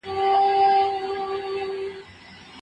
کمپيوټر بوديجه کنټرولوي.